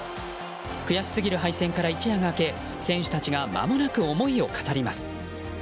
悔しすぎる敗戦から一夜が明け選手たちがまもなく思いを語ります。